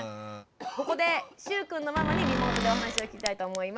ここでしゅうくんのママにリモートでお話を聞きたいと思います。